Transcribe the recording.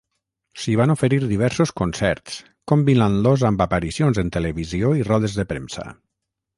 S'hi van oferir diversos concerts combinant-los amb aparicions en televisió i rodes de premsa.